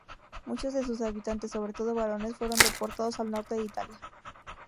Muchos de sus habitantes, sobre todo varones, fueron deportados al norte de Italia.